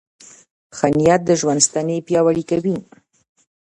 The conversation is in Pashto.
ښه نیت د ژوند ستنې پیاوړې کوي.